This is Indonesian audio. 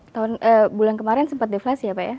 tahun bulan kemarin sempat deflasi ya pak ya